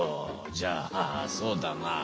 じゃあそうだな。